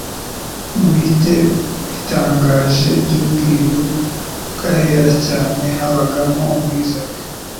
Mu bintu bitangaje by’ubwiru bw’Ahera Cyane habagamo ubwiza Bwe.